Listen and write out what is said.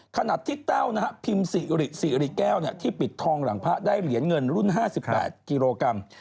ขณะที่แต้วนะฮะพิมพ์สิริแก้วที่ปิดทองหลังพระได้เหรียญเงินรุ่น๕๘กิโลกรัม